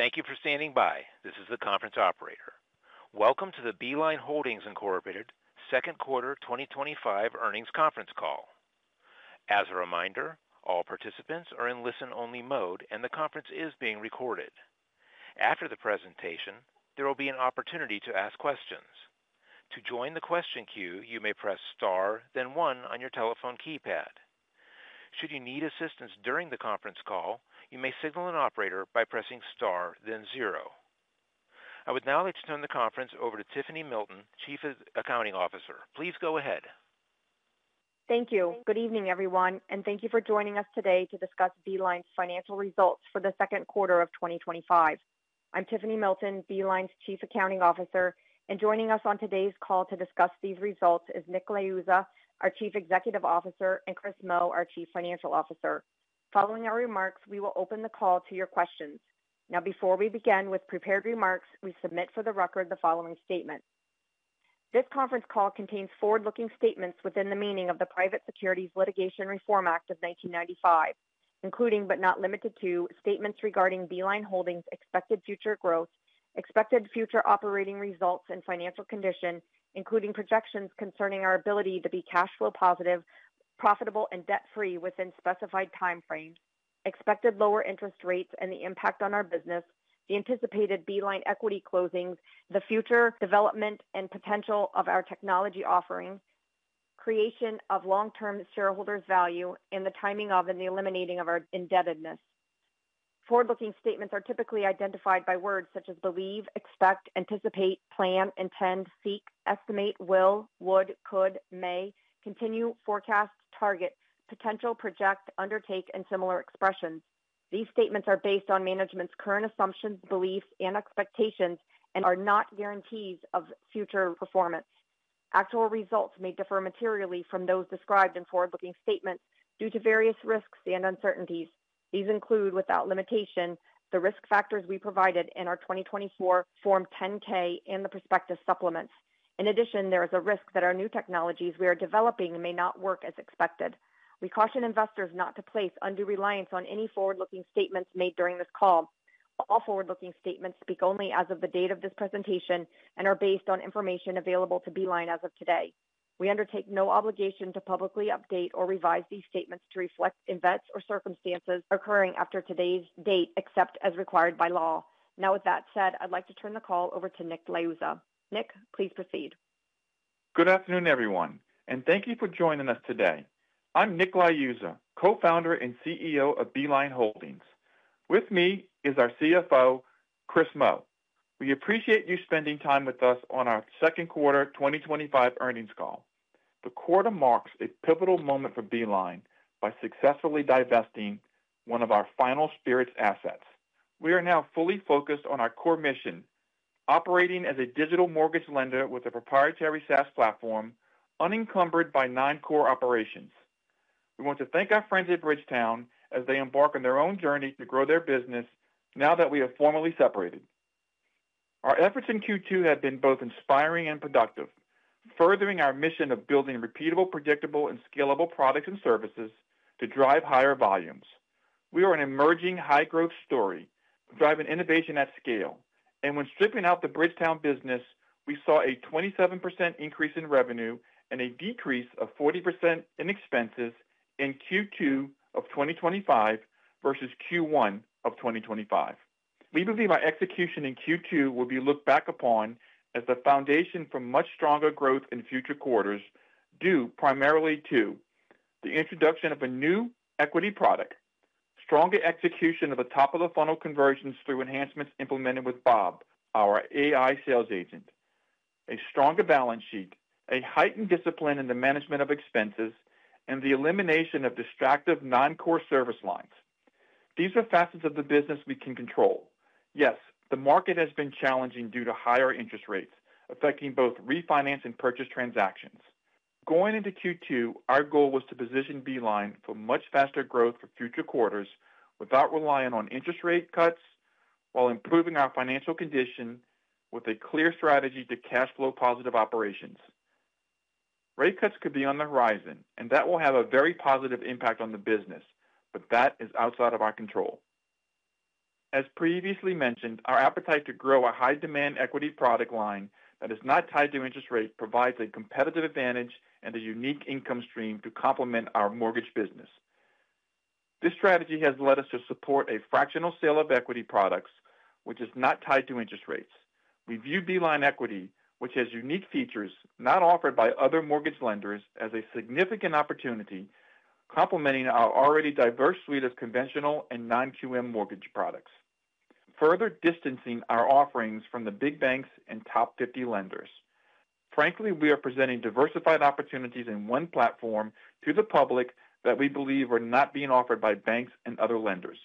Thank you for standing by. This is the conference operator. Welcome to the Beeline Holdings Incorporated second quarter 2025 earnings conference call. As a reminder, all participants are in listen-only mode, and the conference is being recorded. After the presentation, there will be an opportunity to ask questions. To join the question queue, you may press star, then one on your telephone keypad. Should you need assistance during the conference call, you may signal an operator by pressing star, then zero. I would now like to turn the conference over to Tiffany Milton, Chief Accounting Officer. Please go ahead. Thank you. Good evening, everyone, and thank you for joining us today to discuss Beeline Holdings' financial results for the second quarter of 2025. I'm Tiffany Milton, Beeline Holdings' Chief Accounting Officer, and joining us on today's call to discuss these results is Nick Liuzza, our Chief Executive Officer, and Chris Moe, our Chief Financial Officer. Following our remarks, we will open the call to your questions. Now, before we begin with prepared remarks, we submit for the record the following statement. This conference call contains forward-looking statements within the meaning of the Private Securities Litigation Reform Act of 1995, including but not limited to statements regarding Beeline Holdings' expected future growth, expected future operating results, and financial condition, including projections concerning our ability to be cash flow positive, profitable, and debt-free within specified timeframes, expected lower interest rates, and the impact on our business, the anticipated Beeline Equity closings, the future development and potential of our technology offering, creation of long-term shareholders' value, and the timing of the eliminating of our indebtedness. Forward-looking statements are typically identified by words such as believe, expect, anticipate, plan, intend, seek, estimate, will, would, could, may, continue, forecast, target, potential, project, undertake, and similar expressions. These statements are based on management's current assumptions, beliefs, and expectations and are not guarantees of future performance. Actual results may differ materially from those described in forward-looking statements due to various risks and uncertainties. These include, without limitation, the risk factors we provided in our 2024 Form 10-K and the prospective supplements. In addition, there is a risk that our new technologies we are developing may not work as expected. We caution investors not to place undue reliance on any forward-looking statements made during this call. All forward-looking statements speak only as of the date of this presentation and are based on information available to Beeline Holdings as of today. We undertake no obligation to publicly update or revise these statements to reflect events or circumstances occurring after today's date, except as required by law. Now, with that said, I'd like to turn the call over to Nick Liuzza. Nick, please proceed. Good afternoon, everyone, and thank you for joining us today. I'm Nick Liuzza, Co-Founder and CEO of Beeline Holdings. With me is our CFO, Chris Moe. We appreciate you spending time with us on our second quarter 2025 earnings call. The quarter marks a pivotal moment for Beeline Holdings by successfully divesting one of our final spirits assets. We are now fully focused on our core mission: operating as a digital mortgage lender with a proprietary SaaS platform, unencumbered by non-core operations. We want to thank our friends at Bridgetown as they embark on their own journey to grow their business now that we are formally separated. Our efforts in Q2 have been both inspiring and productive, furthering our mission of building repeatable, predictable, and scalable products and services to drive higher volumes. We are an emerging high-growth story, driving innovation at scale, and when stripping out the Bridgetown Spirits business, we saw a 27% increase in revenue and a decrease of 40% in expenses in Q2 2025 versus Q1 2025. We believe our execution in Q2 will be looked back upon as the foundation for much stronger growth in future quarters due primarily to the introduction of a new equity product, stronger execution of the top-of-the-funnel conversions through enhancements implemented with Bob, our AI sales agent, a stronger balance sheet, a heightened discipline in the management of expenses, and the elimination of distractive non-core service lines. These are facets of the business we can control. Yes, the market has been challenging due to higher interest rates affecting both refinance and purchase transactions. Going into Q2, our goal was to position Beeline Holdings for much faster growth for future quarters without relying on interest rate cuts while improving our financial condition with a clear strategy to cash flow positive operations. Rate cuts could be on the horizon, and that will have a very positive impact on the business, but that is outside of our control. As previously mentioned, our appetite to grow a high-demand equity product line that is not tied to interest rates provides a competitive advantage and a unique income stream to complement our mortgage business. This strategy has led us to support a fractional sale of equity products, which is not tied to interest rates. We view Beeline Equity, which has unique features not offered by other mortgage lenders, as a significant opportunity complementing our already diverse suite of conventional and non-QM mortgage products, further distancing our offerings from the big banks and top 50 lenders. Frankly, we are presenting diversified opportunities in one platform to the public that we believe are not being offered by banks and other lenders.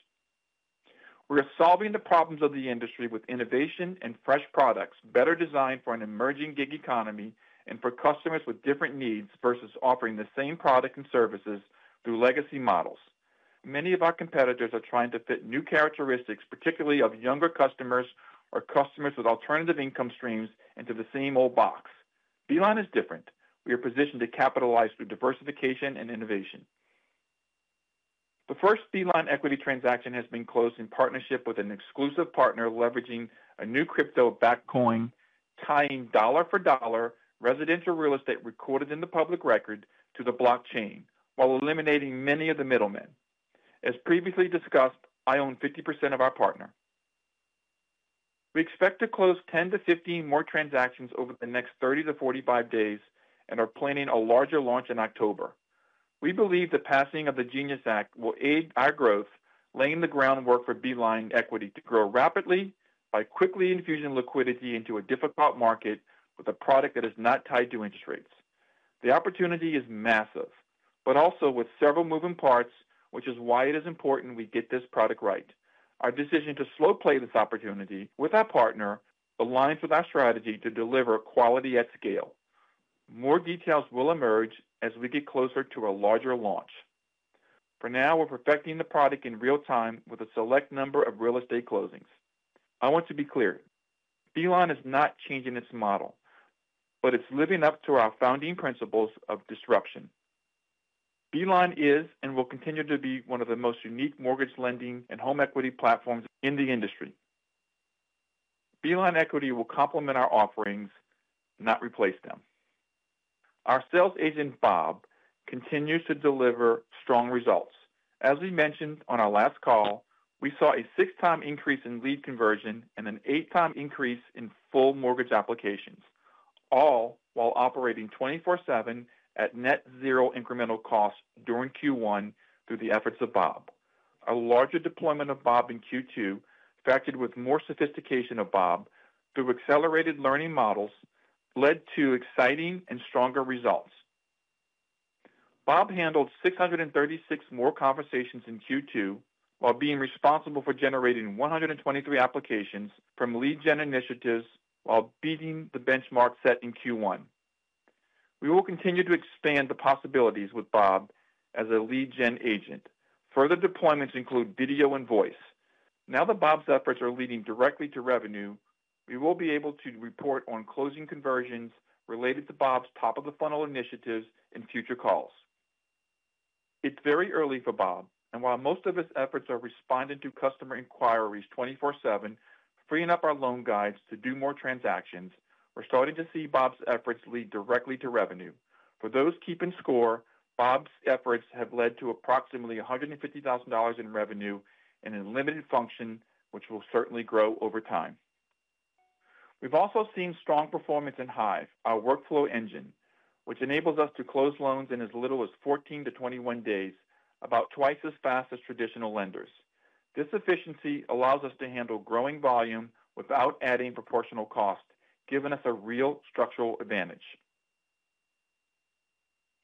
We are solving the problems of the industry with innovation and fresh products better designed for an emerging gig economy and for customers with different needs versus offering the same product and services through legacy models. Many of our competitors are trying to fit new characteristics, particularly of younger customers or customers with alternative income streams, into the same old box. Beeline is different. We are positioned to capitalize through diversification and innovation. The first Beeline Equity transaction has been closed in partnership with an exclusive partner, leveraging a new crypto-backed coin, tying dollar for dollar residential real estate recorded in the public record to the blockchain while eliminating many of the middlemen. As previously discussed, I own 50% of our partner. We expect to close 10-15 more transactions over the next 30-45 days and are planning a larger launch in October. We believe the passing of the Genius Act will aid our growth, laying the groundwork for Beeline Equity to grow rapidly by quickly infusing liquidity into a difficult market with a product that is not tied to interest rates. The opportunity is massive, but also with several moving parts, which is why it is important we get this product right. Our decision to slow play this opportunity with our partner aligns with our strategy to deliver quality at scale. More details will emerge as we get closer to a larger launch. For now, we're perfecting the product in real time with a select number of real estate closings. I want to be clear. Beeline is not changing its model, but it's living up to our founding principles of disruption. Beeline is and will continue to be one of the most unique mortgage lending and home equity platforms in the industry. Beeline Equity will complement our offerings, not replace them. Our sales agent, Bob, continues to deliver strong results. As we mentioned on our last call, we saw a six-time increase in lead conversion and an eight-time increase in full mortgage applications, all while operating 24/7 at net zero incremental costs during Q1 through the efforts of Bob. A larger deployment of Bob in Q2, factored with more sophistication of Bob through accelerated learning models, led to exciting and stronger results. Bob handled 636 more conversations in Q2 while being responsible for generating 123 applications from lead gen initiatives while beating the benchmark set in Q1. We will continue to expand the possibilities with Bob as a lead gen agent. Further deployments include video and voice. Now that Bob's efforts are leading directly to revenue, we will be able to report on closing conversions related to Bob's top-of-the-funnel initiatives in future calls. It's very early for Bob, and while most of his efforts are responding to customer inquiries 24/7, freeing up our loan guides to do more transactions, we're starting to see Bob's efforts lead directly to revenue. For those keeping score, Bob's efforts have led to approximately $150,000 in revenue in a limited function, which will certainly grow over time. We've also seen strong performance in Hive, our workflow engine, which enables us to close loans in as little as 14-21 days, about twice as fast as traditional lenders. This efficiency allows us to handle growing volume without adding proportional cost, giving us a real structural advantage.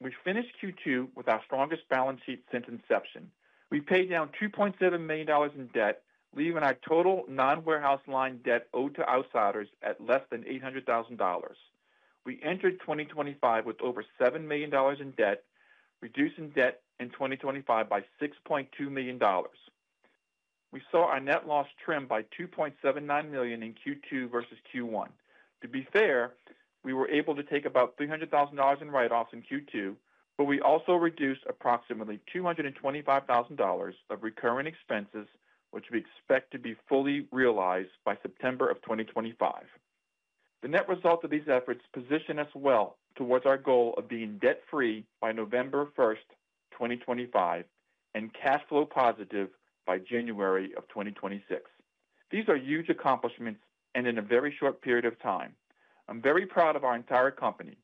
We finished Q2 with our strongest balance sheet since inception. We paid down $2.7 million in debt, leaving our total non-warehouse line debt owed to outsiders at less than $800,000. We entered 2025 with over $7 million in debt, reducing debt in 2025 by $6.2 million. We saw our net loss trim by $2.79 million in Q2 versus Q1. To be fair, we were able to take about $300,000 in write-offs in Q2, but we also reduced approximately $225,000 of recurring expenses, which we expect to be fully realized by September of 2025. The net result of these efforts positioned us well towards our goal of being debt-free by November 1st, 2025, and cash flow positive by January of 2026. These are huge accomplishments and in a very short period of time. I'm very proud of our entire company.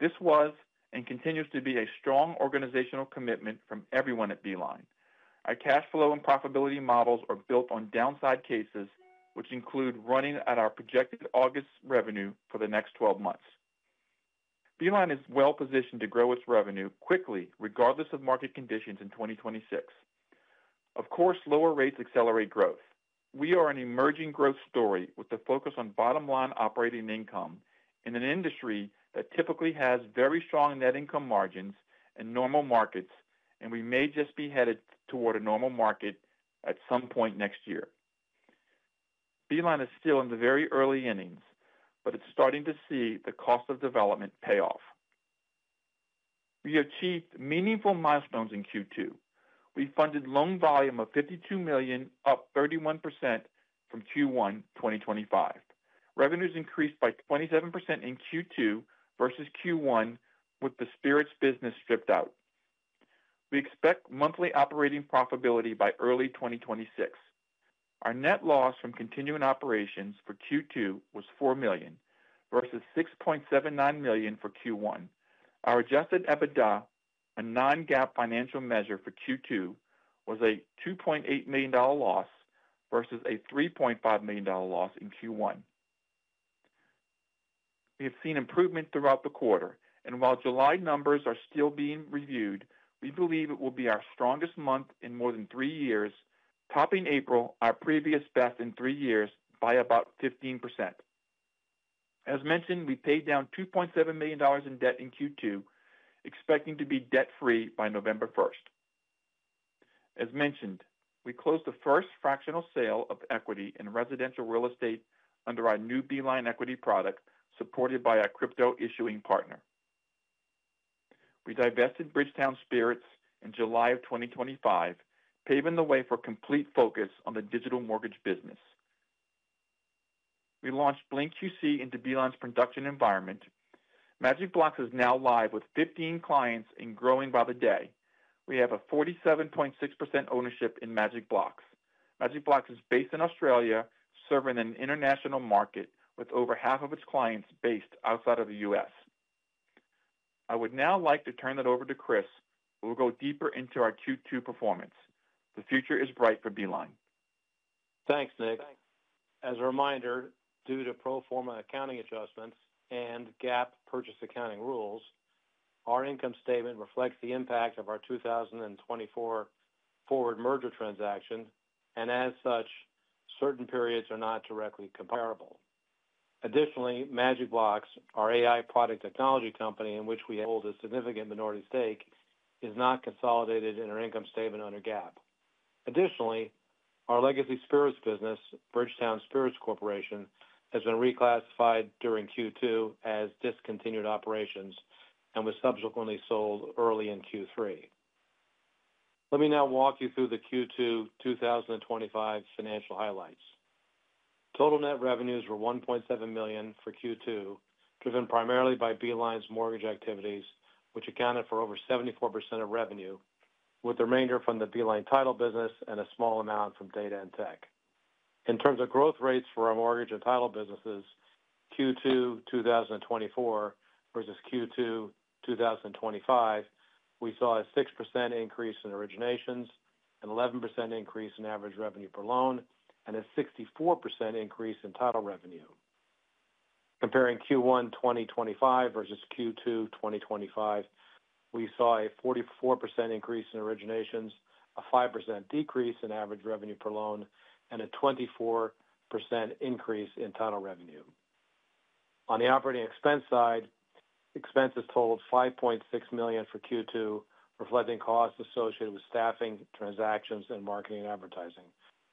This was and continues to be a strong organizational commitment from everyone at Beeline Holdings. Our cash flow and profitability models are built on downside cases, which include running at our projected August revenue for the next 12 months. Beeline Holdings is well positioned to grow its revenue quickly, regardless of market conditions in 2026. Of course, lower rates accelerate growth. We are an emerging growth story with a focus on bottom-line operating income in an industry that typically has very strong net income margins in normal markets, and we may just be headed toward a normal market at some point next year. Beeline Holdings is still in the very early innings, but it's starting to see the cost of development pay off. We achieved meaningful milestones in Q2. We funded loan volume of $52 million, up 31% from Q1 2025. Revenues increased by 27% in Q2 versus Q1, with the spirits business stripped out. We expect monthly operating profitability by early 2026. Our net loss from continuing operations for Q2 was $4 million versus $6.79 million for Q1. Our adjusted EBITDA, a non-GAAP financial measure for Q2, was a $2.8 million loss versus a $3.5 million loss in Q1. We have seen improvement throughout the quarter, and while July numbers are still being reviewed, we believe it will be our strongest month in more than three years, topping April, our previous best in three years, by about 15%. As mentioned, we paid down $2.7 million in debt in Q2, expecting to be debt-free by November 1st. As mentioned, we closed the first fractional sale of equity in residential real estate under our new Beeline Equity product, supported by our crypto issuing partner. We divested Bridgetown Spirits in July of 2025, paving the way for complete focus on the digital mortgage business. We launched BlinkQC into Beeline Holdings' production environment. MagicBlocks is now live with 15 clients and growing by the day. We have a 47.6% ownership in MagicBlocks. MagicBlocks is based in Australia, serving an international market with over half of its clients based outside of the U.S. I would now like to turn it over to Chris, who will go deeper into our Q2 performance. The future is bright for Beeline. Thanks, Nick. As a reminder, due to pro forma accounting adjustments and GAAP purchase accounting rules, our income statement reflects the impact of our 2024 forward merger transaction, and as such, certain periods are not directly comparable. Additionally, MagicBlocks, our AI product technology company in which we hold a significant minority stake, is not consolidated in our income statement under GAAP. Additionally, our legacy spirits business, Bridgetown Spirits Corporation, has been reclassified during Q2 as discontinued operations and was subsequently sold early in Q3. Let me now walk you through the Q2 2025 financial highlights. Total net revenues were $1.7 million for Q2, driven primarily by Beeline's mortgage activities, which accounted for over 74% of revenue, with the remainder from the Beeline title business and a small amount from data and tech. In terms of growth rates for our mortgage and title businesses, Q2 2024 versus Q2 2025, we saw a 6% increase in originations, an 11% increase in average revenue per loan, and a 64% increase in title revenue. Comparing Q1 2025 versus Q2 2025, we saw a 44% increase in originations, a 5% decrease in average revenue per loan, and a 24% increase in title revenue. On the operating expense side, expenses totaled $5.6 million for Q2, reflecting costs associated with staffing, transactions, and marketing and advertising.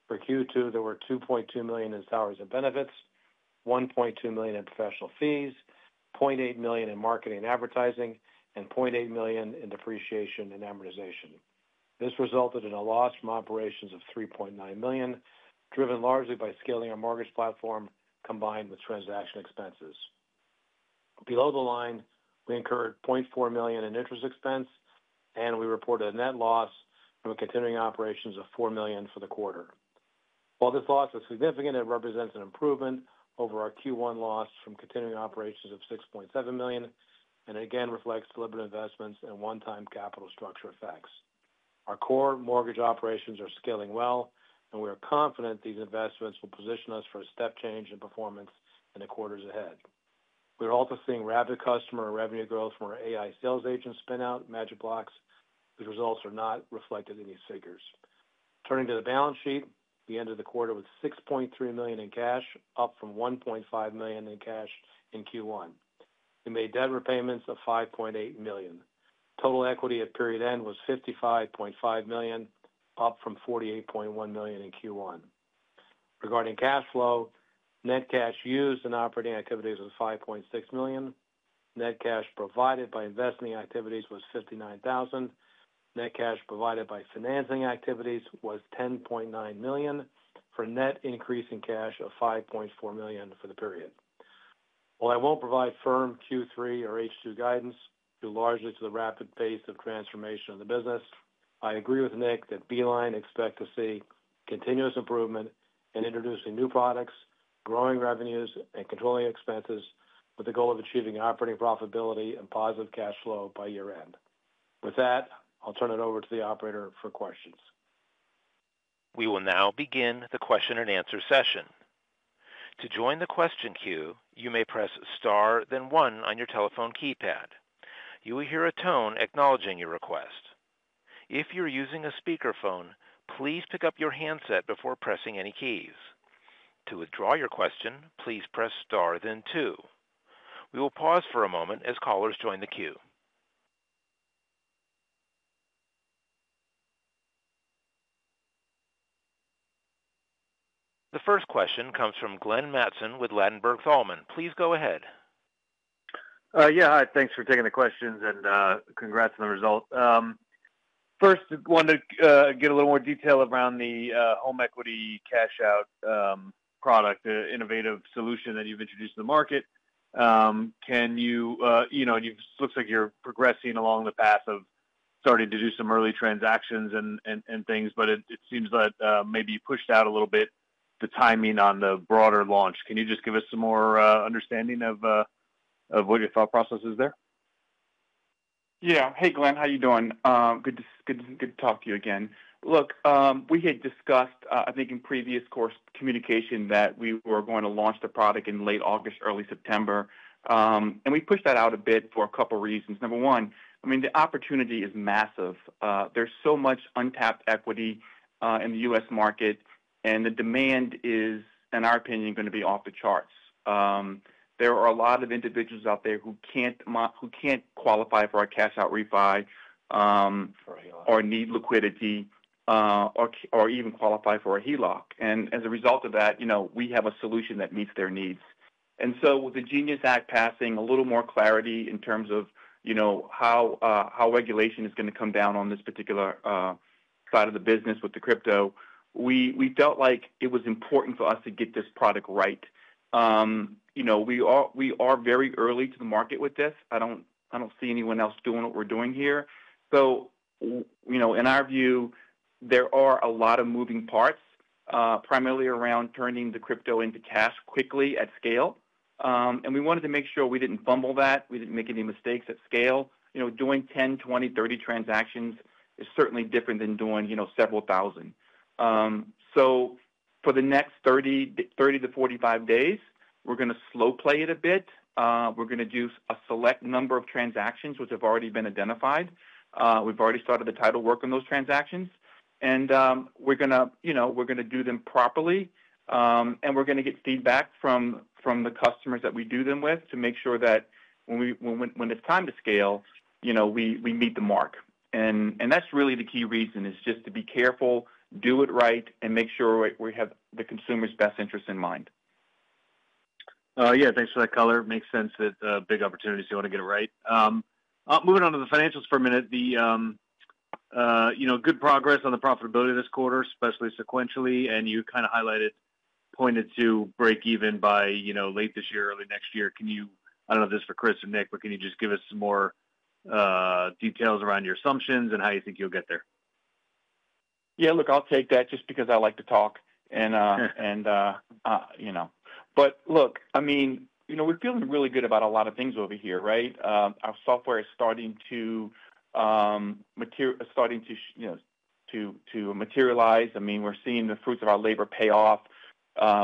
For Q2, there were $2.2 million in salaries and benefits, $1.2 million in professional fees, $0.8 million in marketing and advertising, and $0.8 million in depreciation and amortization. This resulted in a loss from operations of $3.9 million, driven largely by scaling our mortgage platform combined with transaction expenses. Below the line, we incurred $0.4 million in interest expense, and we reported a net loss from continuing operations of $4 million for the quarter. While this loss was significant, it represents an improvement over our Q1 loss from continuing operations of $6.7 million, and it again reflects deliberate investments and one-time capital structure effects. Our core mortgage operations are scaling well, and we are confident these investments will position us for a step change in performance in the quarters ahead. We are also seeing rapid customer revenue growth from our AI sales agent spin-out, MagicBlocks, whose results are not reflected in these figures. Turning to the balance sheet, we ended the quarter with $6.3 million in cash, up from $1.5 million in cash in Q1. We made debt repayments of $5.8 million. Total equity at period end was $55.5 million, up from $48.1 million in Q1. Regarding cash flow, net cash used in operating activities was $5.6 million. Net cash provided by investing activities was $59,000. Net cash provided by financing activities was $10.9 million for a net increase in cash of $5.4 million for the period. While I won't provide firm Q3 or H2 guidance, due largely to the rapid pace of transformation of the business, I agree with Nick that Beeline expects to see continuous improvement in introducing new products, growing revenues, and controlling expenses with the goal of achieving operating profitability and positive cash flow by year-end. With that, I'll turn it over to the operator for questions. We will now begin the question and answer session. To join the question queue, you may press star, then one on your telephone keypad. You will hear a tone acknowledging your request. If you're using a speakerphone, please pick up your handset before pressing any keys. To withdraw your question, please press star, then two. We will pause for a moment as callers join the queue. The first question comes from Glenn Mattson with Ladenburg Thalmann. Please go ahead. Yeah, thanks for taking the questions and congrats on the result. First, I want to get a little more detail around the home equity cash-out product, an innovative solution that you've introduced to the market. It looks like you're progressing along the path of starting to do some early transactions and things, but it seems that maybe you pushed out a little bit the timing on the broader launch. Can you give us some more understanding of what your thought process is there? Yeah. Hey, Glenn, how are you doing? Good to talk to you again. Look, we had discussed, I think, in previous course communication that we were going to launch the product in late August, early September. We pushed that out a bit for a couple of reasons. Number one, the opportunity is massive. There's so much untapped equity in the U.S. market, and the demand is, in our opinion, going to be off the charts. There are a lot of individuals out there who can't qualify for our cash-out refi, or need liquidity, or even qualify for a HELOC. As a result of that, we have a solution that meets their needs. With the Genius Act passing, a little more clarity in terms of how regulation is going to come down on this particular side of the business with the crypto, we felt like it was important for us to get this product right. We are very early to the market with this. I don't see anyone else doing what we're doing here. In our view, there are a lot of moving parts, primarily around turning the crypto into cash quickly at scale. We wanted to make sure we didn't fumble that. We didn't make any mistakes at scale. Doing 10, 20, 30 transactions is certainly different than doing several thousand. For the next 30 to 45 days, we're going to slow play it a bit. We're going to do a select number of transactions, which have already been identified. We've already started the title work on those transactions. We're going to do them properly. We're going to get feedback from the customers that we do them with to make sure that when it's time to scale, we meet the mark. That's really the key reason, just to be careful, do it right, and make sure we have the consumer's best interests in mind. Yeah, thanks for that color. Makes sense that big opportunities, you want to get it right. Moving on to the financials for a minute, good progress on the profitability this quarter, especially sequentially. You kind of highlighted, pointed to break even by late this year, early next year. Can you, I don't know if this is for Chris or Nick, but can you just give us some more details around your assumptions and how you think you'll get there? Yeah, look, I'll take that just because I like to talk. We're feeling really good about a lot of things over here, right? Our software is starting to materialize. We're seeing the fruits of our labor pay off.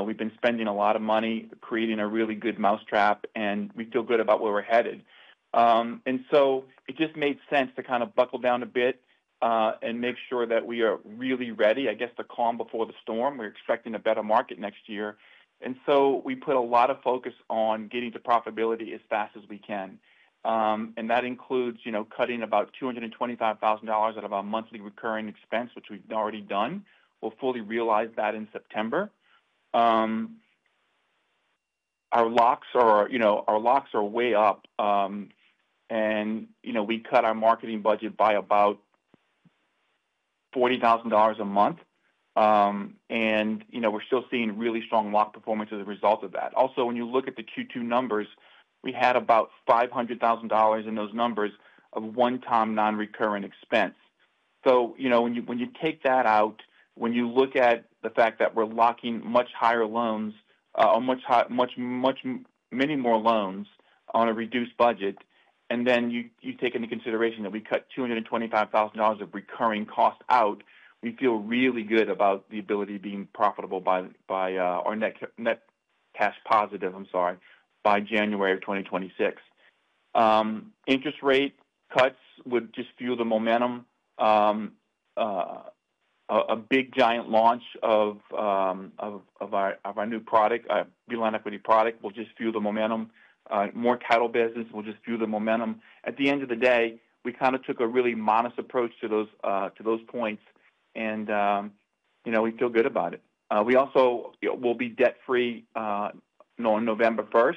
We've been spending a lot of money creating a really good mousetrap, and we feel good about where we're headed. It just made sense to kind of buckle down a bit and make sure that we are really ready, I guess, to calm before the storm. We're expecting a better market next year. We put a lot of focus on getting to profitability as fast as we can. That includes cutting about $225,000 out of our monthly recurring expense, which we've already done. We'll fully realize that in September. Our locks are way up. We cut our marketing budget by about $40,000 a month, and we're still seeing really strong lock performance as a result of that. Also, when you look at the Q2 numbers, we had about $500,000 in those numbers of one-time non-recurring expense. When you take that out, when you look at the fact that we're locking much higher loans or many more loans on a reduced budget, and then you take into consideration that we cut $225,000 of recurring cost out, we feel really good about the ability to be profitable by, or net cash positive, I'm sorry, by January of 2026. Interest rate cuts would just fuel the momentum. A big giant launch of our new product, Beeline Equity product, will just fuel the momentum. More title business will just fuel the momentum. At the end of the day, we kind of took a really modest approach to those points. We feel good about it. We also will be debt-free on November 1.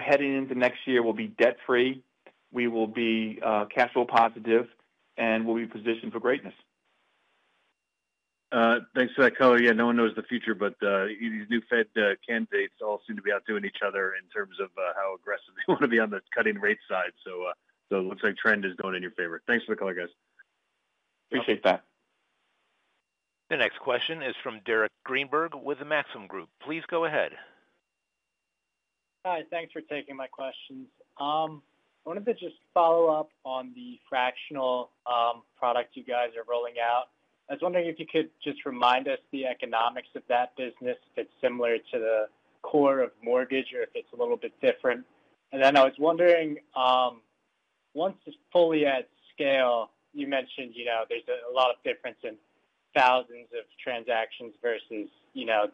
Heading into next year, we'll be debt-free. We will be cash flow positive, and we'll be positioned for greatness. Thanks for that color. Yeah, no one knows the future, but these new Fed candidates all seem to be outdoing each other in terms of how aggressive they want to be on the cutting rate side. It looks like the trend is going in your favor. Thanks for the color, guys. Appreciate that. The next question is from Derek Greenberg with the Maxim Group. Please go ahead. Hi, thanks for taking my questions. I wanted to just follow up on the fractional product you guys are rolling out. I was wondering if you could just remind us the economics of that business, if it's similar to the core of mortgage or if it's a little bit different. I was wondering, once it's fully at scale, you mentioned there's a lot of difference in thousands of transactions versus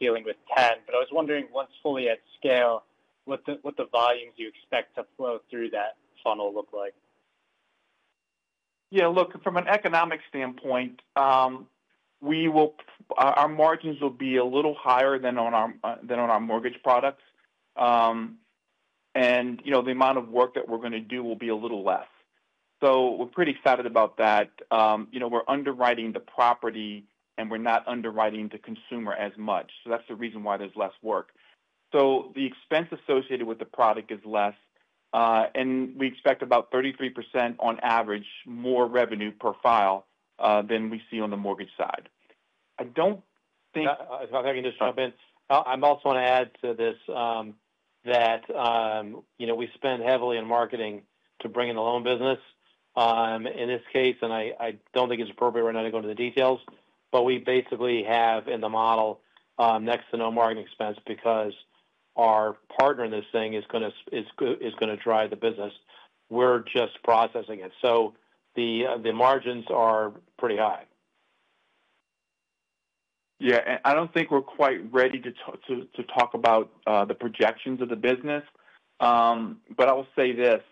dealing with 10. I was wondering, once fully at scale, what the volumes you expect to flow through that funnel look like? Yeah, look, from an economic standpoint, our margins will be a little higher than on our mortgage products. The amount of work that we're going to do will be a little less. We're pretty excited about that. We're underwriting the property, and we're not underwriting the consumer as much. That's the reason why there's less work. The expense associated with the product is less. We expect about 33% on average more revenue per file than we see on the mortgage side. I don't think. I'm also going to add to this that, you know, we spend heavily in marketing to bring in the loan business in this case, and I don't think it's appropriate right now to go into the details, but we basically have in the model next to no marketing expense because our partner in this thing is going to drive the business. We're just processing it. The margins are pretty high. I don't think we're quite ready to talk about the projections of the business. I will say this,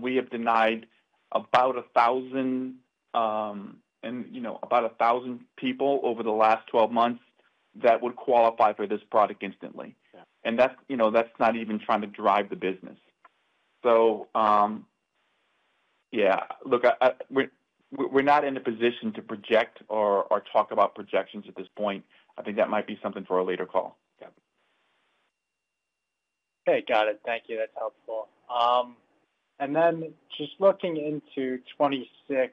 we have denied about 1,000, and you know, about 1,000 people over the last 12 months that would qualify for this product instantly. That's not even trying to drive the business. We're not in a position to project or talk about projections at this point. I think that might be something for a later call. Okay, got it. Thank you. That's helpful. Just looking into 2026,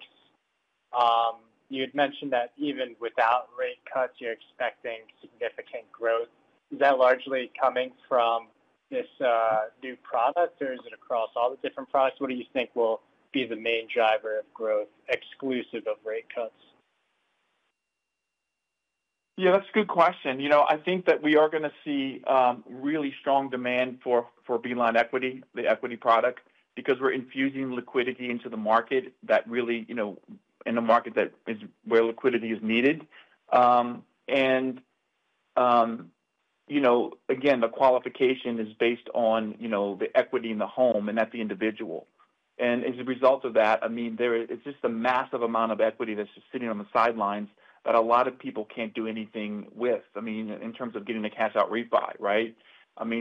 you had mentioned that even without rate cuts, you're expecting significant growth. Is that largely coming from this new product, or is it across all the different products? What do you think will be the main driver of growth exclusive of rate cuts? Yeah, that's a good question. I think that we are going to see really strong demand for Beeline Equity, the equity product, because we're infusing liquidity into the market in a market where liquidity is needed. The qualification is based on the equity in the home and not the individual. As a result of that, there is just a massive amount of equity that's just sitting on the sidelines that a lot of people can't do anything with in terms of getting a cash-out refi, right?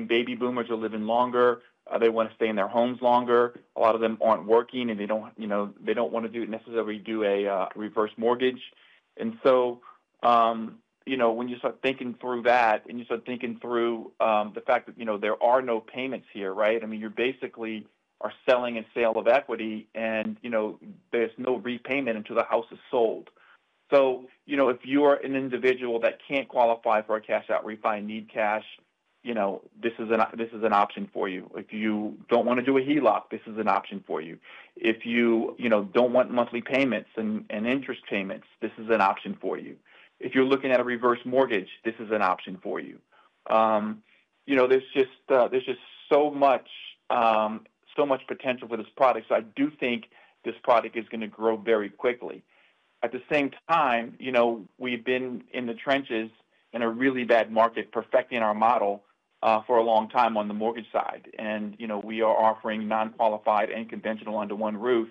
Baby boomers are living longer. They want to stay in their homes longer. A lot of them aren't working, and they don't want to necessarily do a reverse mortgage. When you start thinking through that and you start thinking through the fact that there are no payments here, you basically are selling a sale of equity, and there's no repayment until the house is sold. If you are an individual that can't qualify for a cash-out refi and need cash, this is an option for you. If you don't want to do a HELOC, this is an option for you. If you don't want monthly payments and interest payments, this is an option for you. If you're looking at a reverse mortgage, this is an option for you. There's just so much potential for this product. I do think this product is going to grow very quickly. At the same time, we've been in the trenches in a really bad market, perfecting our model for a long time on the mortgage side. We are offering non-qualified and conventional under one roof,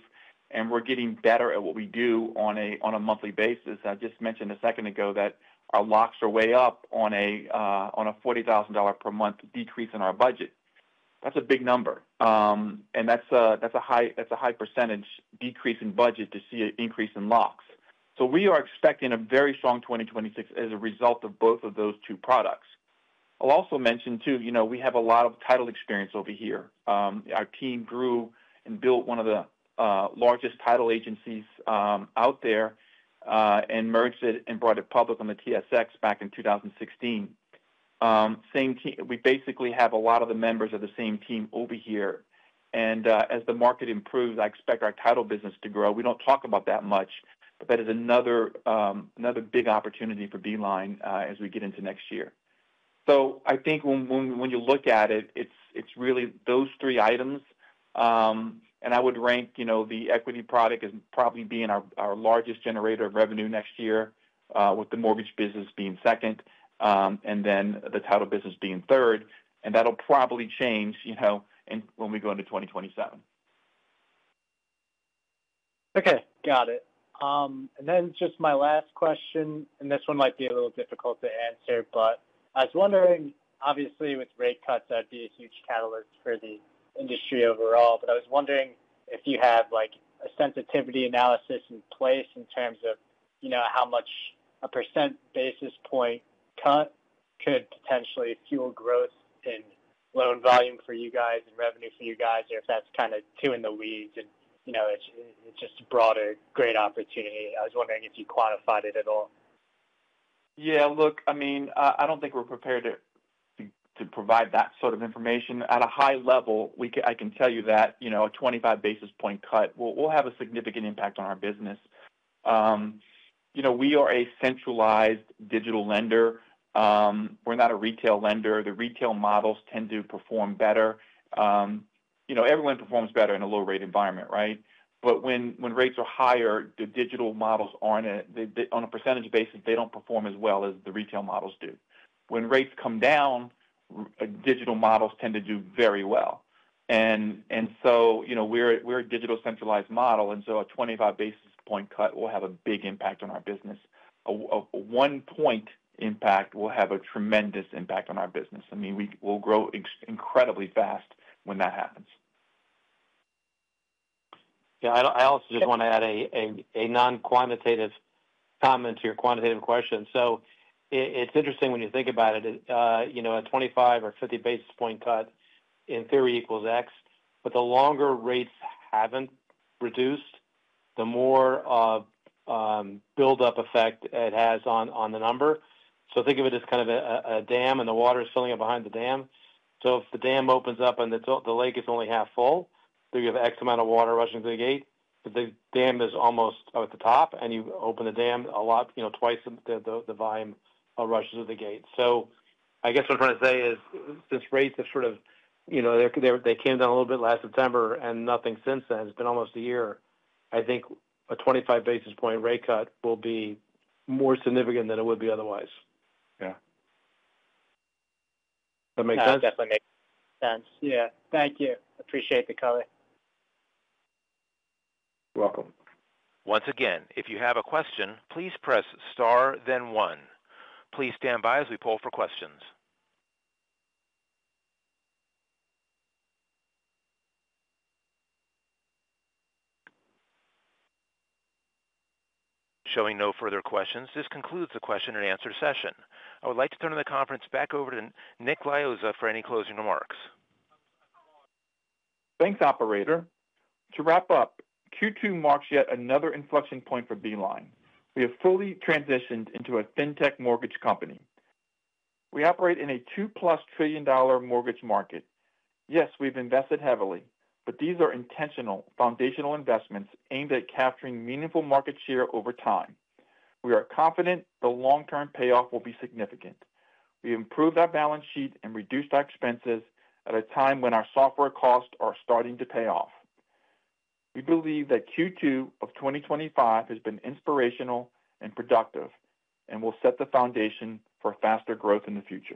and we're getting better at what we do on a monthly basis. I just mentioned a second ago that our locks are way up on a $40,000 per month decrease in our budget. That's a big number, and that's a high % decrease in budget to see an increase in locks. We are expecting a very strong 2026 as a result of both of those two products. I'll also mention, we have a lot of title experience over here. Our team grew and built one of the largest title agencies out there and merged it and brought it public on the TSX back in 2016. Same team. We basically have a lot of the members of the same team over here. As the market improves, I expect our title business to grow. We don't talk about that much, but that is another big opportunity for Beeline as we get into next year. I think when you look at it, it's really those three items. I would rank, you know, the Equity product as probably being our largest generator of revenue next year, with the mortgage business being second, and the title business being third. That'll probably change, you know, when we go into 2027. Okay, got it. Just my last question, and this one might be a little difficult to answer, but I was wondering, obviously, with rate cuts, that'd be a huge catalyst for the industry overall. I was wondering if you have like a sensitivity analysis in place in terms of how much a % basis point cut could potentially fuel growth in loan volume for you guys and revenue for you guys, or if that's kind of too in the weeds and it's just a broader great opportunity. I was wondering if you quantified it at all. Yeah, look, I don't think we're prepared to provide that sort of information. At a high level, I can tell you that a 25 basis point cut will have a significant impact on our business. We are a centralized digital lender. We're not a retail lender. The retail models tend to perform better. Everyone performs better in a low-rate environment, right? When rates are higher, the digital models aren't, on a percentage basis, performing as well as the retail models do. When rates come down, digital models tend to do very well. We're a digital centralized model, and a 25 basis point cut will have a big impact on our business. A 1 point impact will have a tremendous impact on our business. We'll grow incredibly fast when that happens. Yeah, I also just want to add a non-quantitative comment to your quantitative question. It's interesting when you think about it, you know, a 25 or 50 basis point cut in theory equals X, but the longer rates haven't reduced, the more build-up effect it has on the number. Think of it as kind of a dam and the water is filling up behind the dam. If the dam opens up and the lake is only half full, you have X amount of water rushing through the gate, but if the dam is almost at the top and you open the dam a lot, twice the volume rushes through the gate. I guess what I'm trying to say is since rates have sort of, you know, they came down a little bit last September and nothing since then, it's been almost a year, I think a 25 basis point rate cut will be more significant than it would be otherwise. Yeah, that makes sense. That definitely makes sense. Thank you. Appreciate the color. You're welcome. Once again, if you have a question, please press star, then one. Please stand by as we poll for questions. Showing no further questions, this concludes the question and answer session. I would like to turn the conference back over to Nick Liuzza for any closing remarks. Thanks, operator. To wrap up, Q2 marks yet another inflection point for Beeline. We have fully transitioned into a fintech mortgage company. We operate in a $2 trillion plus mortgage market. Yes, we've invested heavily, but these are intentional, foundational investments aimed at capturing meaningful market share over time. We are confident the long-term payoff will be significant. We improved our balance sheet and reduced our expenses at a time when our software costs are starting to pay off. We believe that Q2 of 2025 has been inspirational and productive and will set the foundation for faster growth in the future.